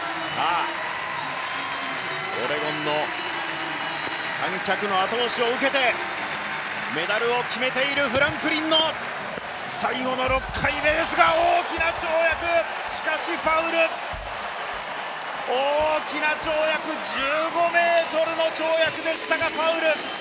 オレゴンの観客の後押しを受けてメダルを決めているフランクリンの最後の跳躍ですが、大きな跳躍、１５ｍの跳躍でしたが、ファウル。